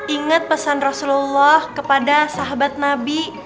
ingat pesan rasulullah kepada sahabat nabi